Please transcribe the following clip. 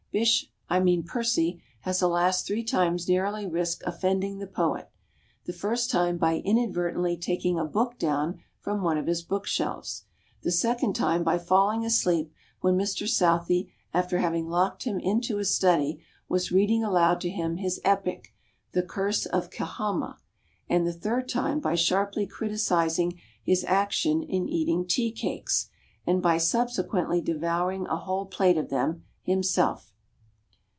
Bysshe, I mean Percy, has alas three times narrowly risked offending the poet. The first time by inadvertently taking a book down from one of his book shelves, the second time by falling asleep when Mr Southey after having locked him into his study was reading aloud to him his epic, "The Curse of Kehama," and the third time by sharply criticising his action in eating tea cakes, and by subsequently devouring a whole plate of them, himself.